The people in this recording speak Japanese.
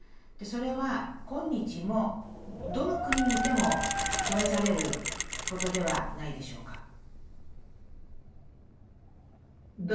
それは今日もどの国にいても試されることではないでしょうか？